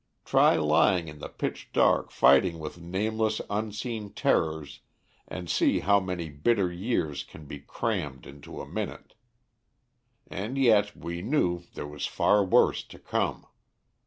Try lying in the pitch dark fighting with nameless unseen terrors and see how many bitter years can be crammed into a minute. And yet we knew there was far worse to come.